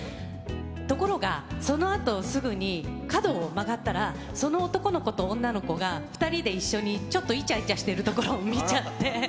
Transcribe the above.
ところが、そのあとすぐに、角を曲がったら、その男の子と女の子が２人で一緒に、ちょっといちゃいちゃしているところを見ちゃって。